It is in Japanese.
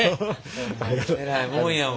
偉いもんやわ。